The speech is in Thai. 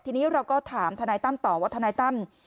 ทีนี้เราก็ถามทนายตั้มต่อว่าทนายตั้ม